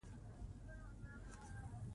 هېڅ پرواه ئې نۀ لرم -